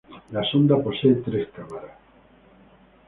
La sonda posee tres cámaras.